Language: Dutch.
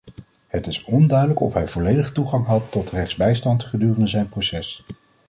Het is onduidelijk of hij volledige toegang had tot rechtsbijstand gedurende zijn proces.